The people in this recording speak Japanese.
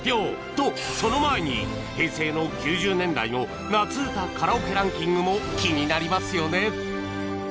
とその前に平成の９０年代の夏うたカラオケランキングも気になりますよね